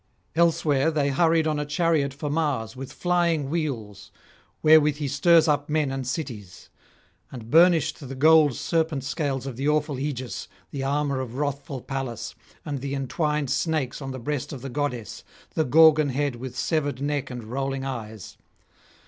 Elsewhere they hurried on a chariot for Mars with flying wheels, wherewith he stirs up men and cities; and burnished the golden serpent scales of the awful aegis, the armour of wrathful Pallas, and the entwined snakes on the breast of the goddess, the Gorgon head with severed neck and rolling eyes.